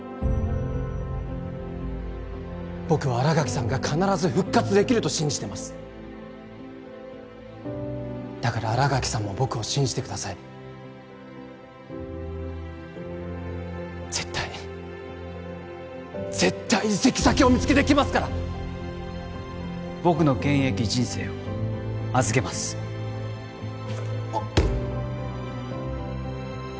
僕は新垣さんが必ず復活できると信じてますだから新垣さんも僕を信じてください絶対絶対移籍先を見つけてきますから僕の現役人生を預けますあっ